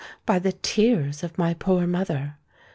by the tears of my poor mother!